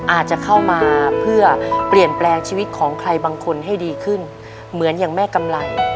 อาจจะเข้ามาเพื่อเปลี่ยนแปลงชีวิตของใครบางคนให้ดีขึ้นเหมือนอย่างแม่กำไร